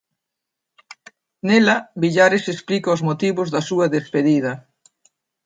Nela Villares explica os motivos da súa despedida.